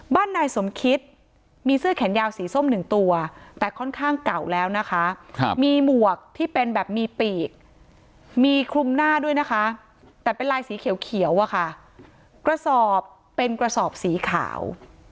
นายสมคิตมีเสื้อแขนยาวสีส้มหนึ่งตัวแต่ค่อนข้างเก่าแล้วนะคะมีหมวกที่เป็นแบบมีปีกมีคลุมหน้าด้วยนะคะแต่เป็นลายสีเขียวอะค่ะกระสอบเป็นกระสอบสีขาว